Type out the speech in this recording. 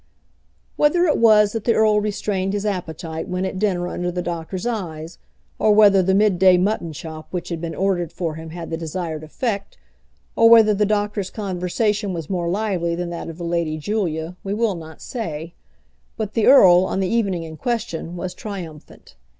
Whether it was that the earl restrained his appetite when at dinner under the doctor's eyes, or whether the mid day mutton chop which had been ordered for him had the desired effect, or whether the doctor's conversation was more lively than that of the Lady Julia, we will not say; but the earl, on the evening in question, was triumphant.